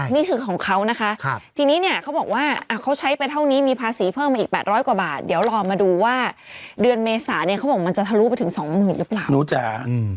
นี่คือของเขานะคะทีนี้เนี่ยเขาบอกว่าเขาใช้ไปเท่านี้มีภาษีเพิ่มมาอีก๘๐๐กว่าบาทเดี๋ยวรอมาดูว่าเดือนเมษาเนี่ยเขาบอกมันจะทะลุไปถึงสองหมื่นหรือเปล่า